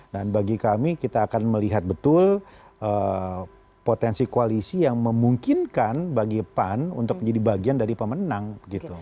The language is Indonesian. dan bagi kami kita akan melihat betul potensi koalisi yang memungkinkan bagi pan untuk menjadi bagian dari pemenang gitu